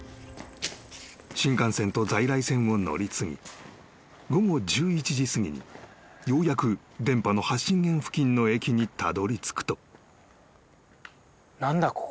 ［新幹線と在来線を乗り継ぎ午後１１時すぎにようやく電波の発信源付近の駅にたどりつくと］